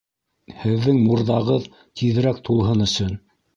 Һеҙҙең мурҙағыҙ тиҙерәк тулһын өсөн.